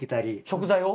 食材を？